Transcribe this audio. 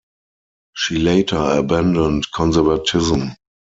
She later abandoned conservatism.